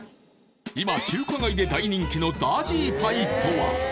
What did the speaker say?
今中華街で大人気のダージーパイとは？